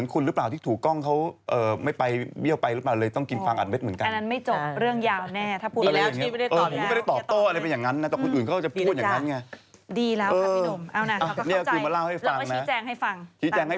คือรู้ไหมที่เป็นผมเป็นคนอื่นน่ะ